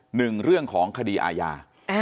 หนึ่งเรื่องของคดีอาญา